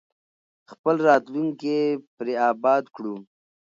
خپل راتلونکی پرې اباد کړو.